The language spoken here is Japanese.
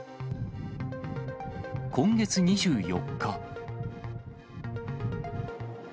今月２４日。